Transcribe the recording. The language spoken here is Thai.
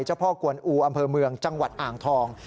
เจ้าพ่อกวนอูอำเภอเมืองจังหวัดอ่างทอง